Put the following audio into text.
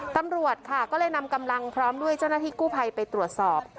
ตำรวจค่ะก็เลยนำกำลังพร้อมด้วยเจ้าหน้าที่กู้ภัยไปตรวจสอบ